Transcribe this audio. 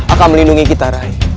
akan melindungi kita rai